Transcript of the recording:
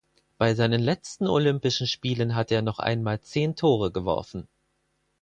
Bei seinen letzten Olympischen Spielen hatte er noch einmal zehn Tore geworfen.